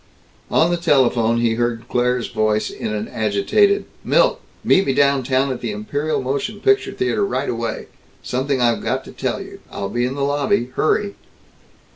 On the telephone, he heard Claire's voice in an agitated, "Milt! Meet me down town, at the Imperial Motion Picture Theater, right away. Something I've got to tell you. I'll be in the lobby. Hurry!"